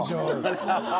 ハハハハ！